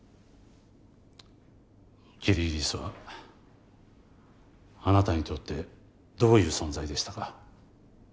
キリギリスはあなたにとってどういう存在でしたか？